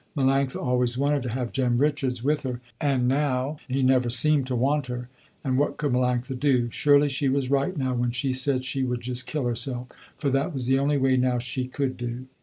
Melanctha always wanted to have Jem Richards with her and now he never seemed to want her, and what could Melanctha do. Surely she was right now when she said she would just kill herself, for that was the only way now she could do.